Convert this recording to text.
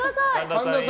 神田さん